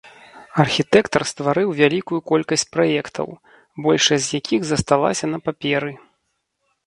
Архітэктар стварыў вялікую колькасць праектаў, большасць з якіх засталася на паперы.